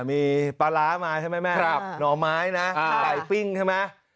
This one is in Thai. มีปลาร้ามาใช่ไหมแม่หน่อไม้นะไก่ปิ้งใช่ไหม